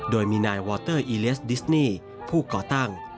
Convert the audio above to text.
โดยมีนายวอเตอร์อีเลสดิสนี่ผู้ก่อตั้ง